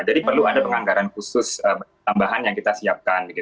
jadi perlu ada penganggaran khusus tambahan yang kita siapkan